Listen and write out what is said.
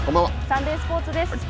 サンデースポーツです。